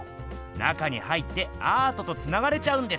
中に入ってアートとつながれちゃうんです。